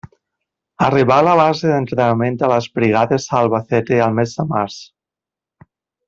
Arribà a la base d'entrenament de les Brigades a Albacete el mes de març.